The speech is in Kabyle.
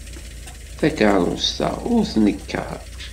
Takeṛṛust-a ur tnekker.